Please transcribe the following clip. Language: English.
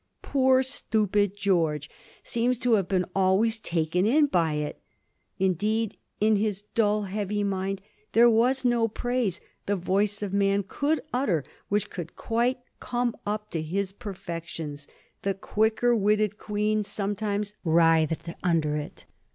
Poor, stupid George seems to have been always taken in by it. Indeed, in his dull, heavy mind there was no praise the voice of man could utter which could quite come up to' his perfections. The qnicker witted Queen sometimes writhed under it.